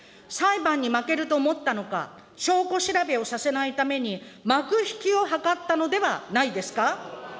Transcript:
裁判に負けると思ったのか、証拠調べをさせないために、幕引きを図ったのではないですか。